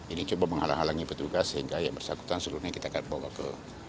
ini coba menghalang halangi petugas sehingga yang bersangkutan seluruhnya kita akan bawa ke